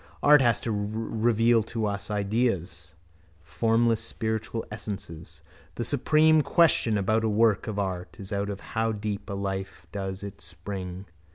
Art has to reveal to us ideas, formless spiritual essences. The supreme question about a work of art is out of how deep a life does it spring.